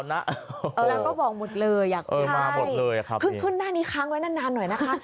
แล้วก็บอกหมดเลยครับครับขึ้นหน้านี้ครั้งแล้วนานหน่อยนะคะ